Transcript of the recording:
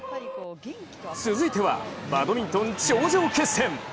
続いてはバドミントン頂上決戦。